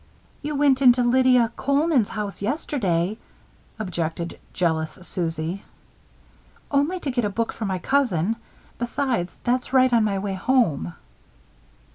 "You went into Lydia Coleman's house, yesterday," objected jealous Susie. "Only to get a book for my cousin. Besides, that's right on my way home."